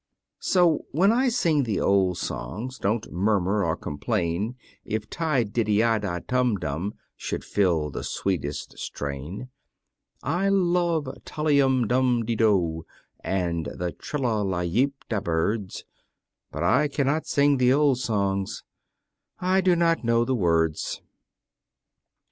So, when I sing the old songs, Don't murmur or complain If "Ti, diddy ah da, tum dum," Should fill the sweetest strain. I love "Tolly um dum di do," And the "trilla la yeep da" birds, But "I can not sing the old songs" I do not know the words.